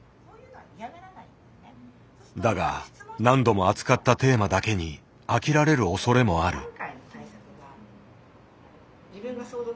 だが何度も扱ったテーマだけに飽きられるおそれもある。